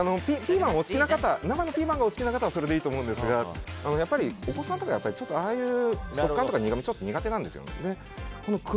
生のピーマンがお好きな方はそれでいいと思うんですがお子さんとかは、やっぱりちょっと、ああいう食感とか苦みが苦手なんですよね。